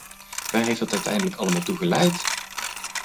Waar heeft dat uiteindelijk allemaal toe geleid?